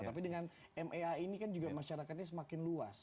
tapi dengan mai ini kan juga masyarakatnya semakin luas